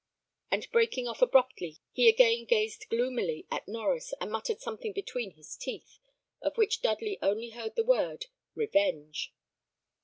And breaking off abruptly, he again gazed gloomily at Norries, and muttered something between his teeth, of which Dudley only heard the word, "Revenge."